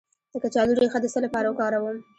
د کچالو ریښه د څه لپاره وکاروم؟